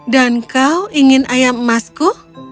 dan kau ingin ayam emasku